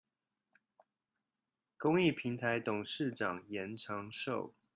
公益平臺董事長嚴長壽